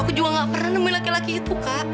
aku juga nggak pernah nemuin laki laki itu kak